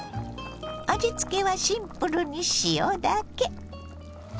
味つけはシンプルに塩だけ。